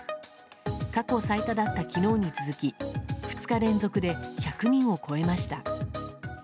過去最多だった昨日に続き２日連続で１００人を超えました。